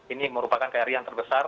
ini merupakan kri yang terbesar